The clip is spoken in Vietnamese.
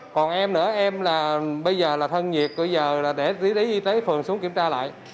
còn em nữa em là bây giờ là thân nhiệt bây giờ là để dưới đáy y tế phường xuống kiểm tra lại